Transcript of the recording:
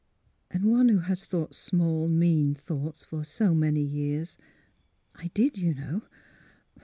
And one who has thought small, mean thoughts for so many years — I did, you know.